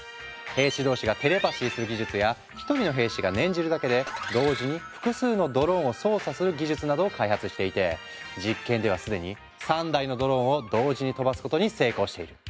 兵士同士がテレパシーする技術や１人の兵士が念じるだけで同時に複数のドローンを操作する技術などを開発していて実験ではすでに３台のドローンを同時に飛ばすことに成功している。